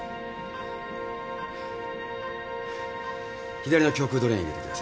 左の胸腔ドレーン入れてください。